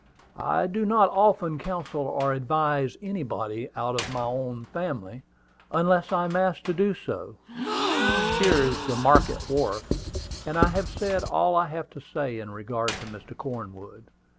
"I do not often counsel or advise anybody out of my own family, unless I am asked to do so. Here is the market wharf; and I have said all I have to say in regard to Mr. Cornwood.